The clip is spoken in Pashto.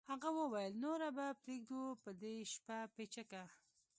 هغه وویل نوره به پرېږدو په دې شپه پیچکه